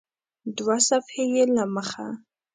دوه صفحې یې له مخه